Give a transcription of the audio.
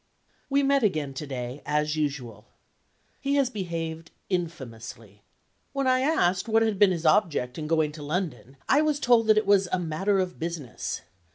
We met again to day as usual. He has behaved infamously. When I asked what had been his object in going to London, I was told that it was "a matter of business."